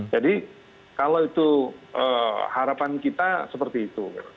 jadi kalau itu harapan kita seperti itu